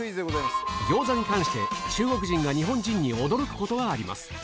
餃子に関して、中国人が日本人に驚くことがあります。